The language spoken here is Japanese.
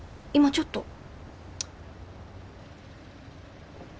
今ちょっと。